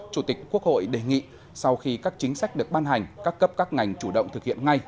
chủ tịch quốc hội đề nghị sau khi các chính sách được ban hành các cấp các ngành chủ động thực hiện ngay